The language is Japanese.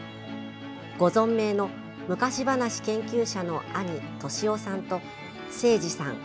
ご存命の昔話研究者の兄・俊夫さんと征爾さん